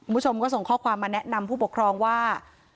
คุณผู้ชมก็ส่งข้อความมาแนะนำผู้ปกครองว่า